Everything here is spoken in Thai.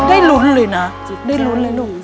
ได้ลุ้นเลยนะได้ลุ้นเลยหนู